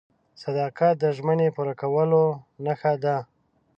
• صداقت د ژمنې پوره کولو نښه ده.